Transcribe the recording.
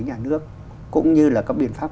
nhà nước cũng như là các biện pháp